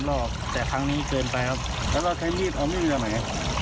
๒๓รอบแต่ครั้งนี้เกินไปครับแล้วเราใช้มีบเอาไม่เรื่อย